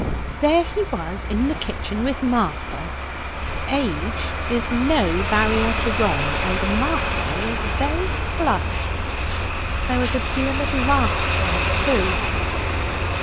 There he was in the kitchen with Martha! Age is no barrier to wrong, and Martha was very flushed. There was a deal of laughter, too.'